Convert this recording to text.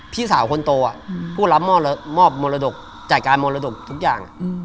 พี่สาวคนโตผู้รับมอบมรดกจัดการมรดกทุกอย่าง